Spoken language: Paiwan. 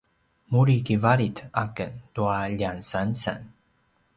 muri kivalit aken tua ljansansan